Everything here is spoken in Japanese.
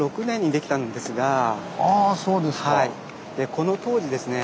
この当時ですね